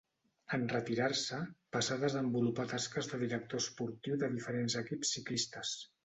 En retirar-se passà a desenvolupar tasques de director esportiu de diferents equips ciclistes.